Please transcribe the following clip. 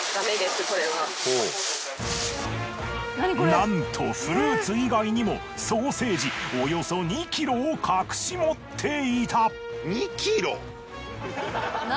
なんとフルーツ以外にもソーセージおよそ２ｋｇを隠し持っていた。